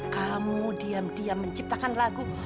kamu diam diam menciptakan lagu